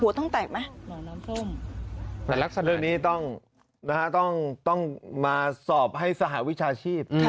หัวต้องแตกไหมหัวน้ำพุ่งแต่ลักษณะนี้ต้องมาสอบให้สหวิชาชีพ